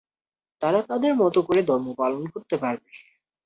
তারা তাদের মত করে ধর্ম পালন করতে পারবে।